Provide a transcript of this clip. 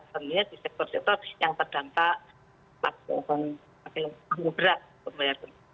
tentunya di sektor sektor yang terdampak makin berat